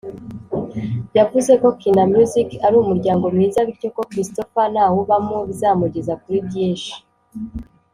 yavuze ko Kina Music ‘ari umuryango mwiza bityo ko Christopher nawubamo bizamugeza kuri byinshi’